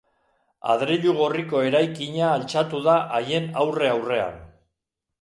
Adreilu gorriko eraikina altxatu da haien aurre-aurrean.